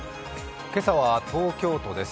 今朝は東京都です。